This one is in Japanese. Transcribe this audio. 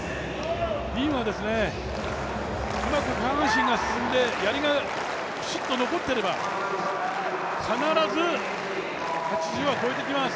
ディーンはうまく下半身が進んでやりがきちっと残ってれば必ず８０は越えてきます。